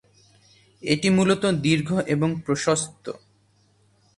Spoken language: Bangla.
এটি মূলত দীর্ঘ এবং প্রশস্ত।